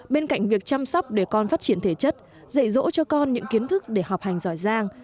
bên cạnh việc chăm sóc để con phát triển thể chất dạy dỗ cho con những kiến thức để học hành giỏi giang